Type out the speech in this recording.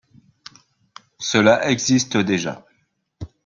Cela existe déjà